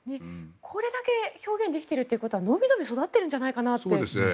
これだけ表現できてるということはのびのび育っているんじゃないかなって思いますよね。